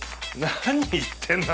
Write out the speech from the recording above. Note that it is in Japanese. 何言ってんの。